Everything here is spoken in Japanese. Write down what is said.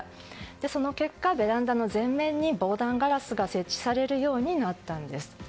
その結果、ベランダの全面に防弾ガラスが設置されるようになったんです。